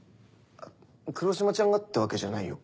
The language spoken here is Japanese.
黒島ちゃんがってわけじゃないよ。